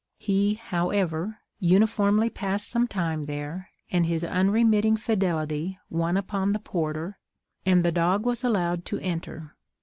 He, however, uniformly passed some time there, and his unremitting fidelity won upon the porter, and the dog was allowed to enter.